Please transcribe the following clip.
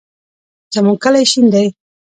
زمونږ کلی شین دی